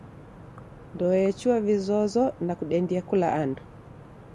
Ndoe echua vizozo nakudendia kula andu.